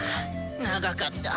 長かった。